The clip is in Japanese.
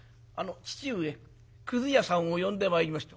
「父上くず屋さんを呼んでまいりました」。